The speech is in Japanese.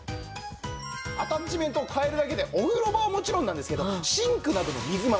アタッチメントを換えるだけでお風呂場はもちろんなんですけどシンクなどの水回り